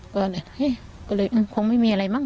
ก็แหละเอ๊ะก็เลยมันคงไม่มีอะไรมั้ง